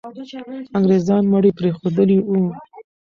انګریزان مړي پرېښودلي وو.